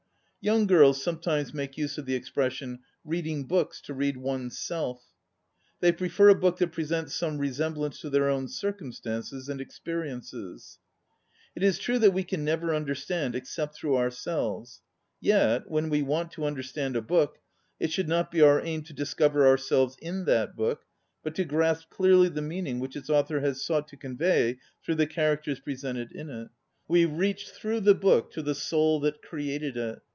Young girls sometimes make use of the expression: "Reading books to read one's self." They prefer a book that presents some resemblance to their own circumstances and ex periences. It is true that we can never understand except through ourselves. Yet, when we want to understand a book, it should not be our aim to discover ourselves in that book, but to grasp clearly the meaning which its author has sought 40 ON READING to convey through the characters pre sented in it. We reach through the book to the soul that created it.